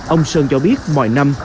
ông sơn cho biết mọi năm